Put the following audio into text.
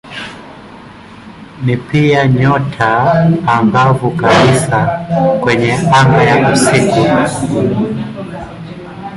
Ni pia nyota angavu kabisa kwenye anga ya usiku.